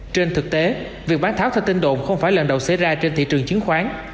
trên thực tế việc bán tháo theo tin đồn không phải lần đầu xảy ra trên thị trường chứng khoán